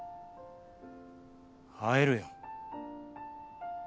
会えるよ。